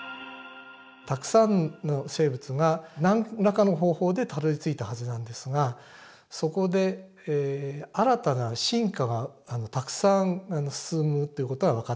たくさんの生物が何らかの方法でたどりついたはずなんですがそこで新たな進化がたくさん進むという事は分かってます。